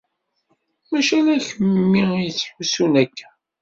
Mačči ala kemmi i yettḥussun akka.